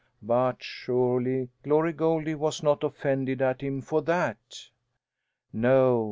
But surely Glory Goldie was not offended at him for that! No.